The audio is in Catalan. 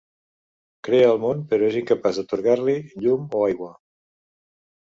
Crea el món però és incapaç d'atorgar-li llum o aigua.